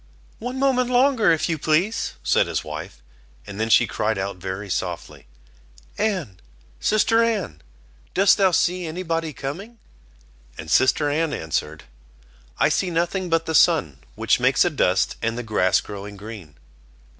"One moment longer, if you please," said his wife, and then she cried out very softly: "Anne, sister Anne, dost thou see any body coming?" And sister Anne answered: "I see nothing but the sun, which makes a dust, and the grass growing green."